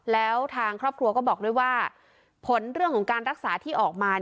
แล้วทางครอบครัวก็บอกด้วยว่าผลเรื่องของการรักษาที่ออกมา